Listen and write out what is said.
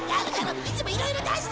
いつもいろいろ出してるじゃん！